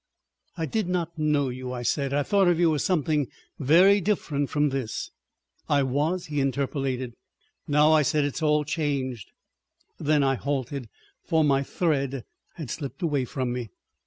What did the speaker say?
"I did not know you," I said. "I thought of you as something very different from this." "I was," he interpolated. "Now," I said, "it is all changed." Then I halted—for my thread had slipped away from me.